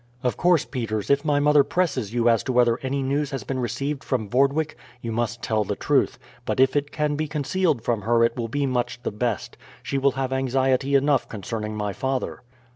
"Of course, Peters, if my mother presses you as to whether any news has been received from Vordwyk, you must tell the truth; but if it can be concealed from her it will be much the best. She will have anxiety enough concerning my father."